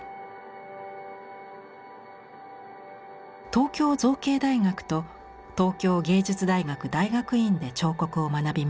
東京造形大学と東京藝術大学大学院で彫刻を学びます。